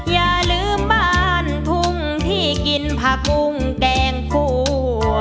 อย่าลืมบ้านทุ่งที่กินผักบุ้งแกงคั่ว